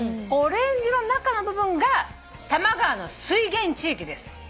オレンジ色の中の部分が多摩川の水源地域です。